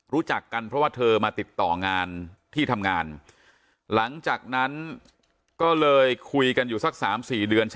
รู้จักกันเพราะว่าเธอมาติดต่องานที่ทำงานหลังจากนั้นก็เลยคุยกันอยู่สัก๓๔เดือน